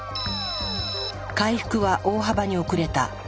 回復は大幅に遅れた。